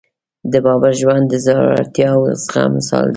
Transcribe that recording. د بابر ژوند د زړورتیا او زغم مثال دی.